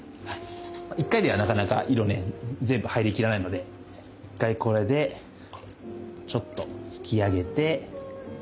一回ではなかなか色ね全部入りきらないので一回これでちょっと引き上げてじゃあ次もうちょっと。